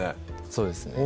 そうですね